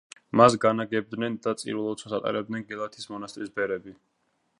მას განაგებდნენ და წირვა-ლოცვას ატარებდნენ გელათის მონასტრის ბერები.